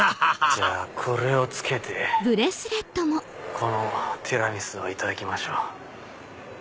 じゃあこれを着けてこのティラミスをいただきましょう。